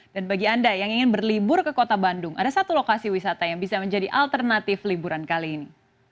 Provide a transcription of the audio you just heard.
dan bagi anda yang ingin berlibur ke kota bandung ada satu lokasi wisata yang bisa menjadi alternatif liburan kali ini